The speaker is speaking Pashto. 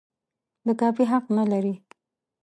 د کاپي حق نه لري.